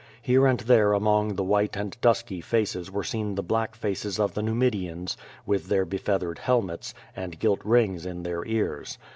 Here and there among the white and dusky faces were seen the black faces of the Nu midians, with their befeathered helmets, and gilt rings in their ears.